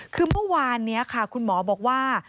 คือเมื่อวานนี้ค่ะคุณหมอบอกว่า